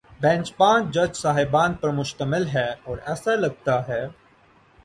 Bench پانچ جج صاحبان پر مشتمل ہے، اور ایسا لگتا ہے۔